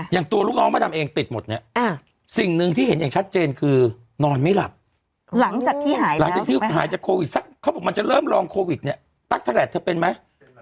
อย่างตัวลูกน้องมะดำเองติดหมดเนี่ยสิ่งหนึ่งที่เห็นอย่างชัดเจนคือนอนไม่หลับหลังจากที่หายหลังจากที่หายจากโควิดสักเขาบอกมันจะเริ่มลองโควิดเนี่ยตั๊กเทอร์แลตเธอเป็นไหม